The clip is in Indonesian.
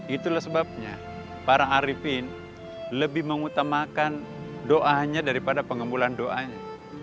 itulah sebabnya para arifin lebih mengutamakan doanya daripada pengembulan doanya